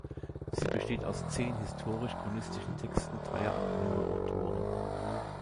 Sie besteht aus zehn historisch-chronistischen Texten dreier anonymer Autoren.